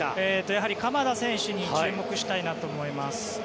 やはり鎌田選手に注目したいと思います。